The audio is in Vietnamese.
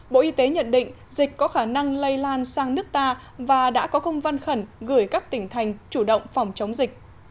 bộ y tế nhận định dịch có khả năng lây lan sang nước ta và đã có công văn khẩn gửi các tỉnh thành chủ động phòng chống dịch